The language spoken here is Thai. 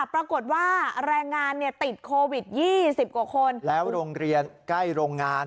ปรากฏว่าแรงงานเนี่ยติดโควิด๒๐กว่าคนแล้วโรงเรียนใกล้โรงงาน